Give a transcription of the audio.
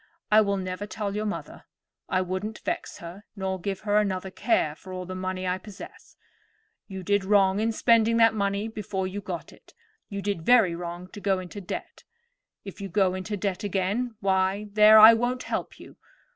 I will never tell your mother. I wouldn't vex her nor give her another care for all the money I possess. You did wrong in spending that money before you got it; you did very wrong to go into debt. If you go in debt again, why, there, I won't help you.